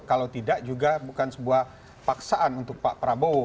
kalau tidak juga bukan sebuah paksaan untuk pak prabowo